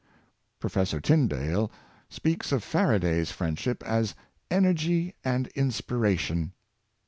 Professor Tyndall speaks of Faraday's friendship as " energy and inspiration."